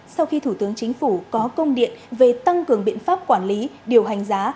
sau khi thủ tướng chính phủ có công điện về tăng cường biện pháp quản lý điều hành giá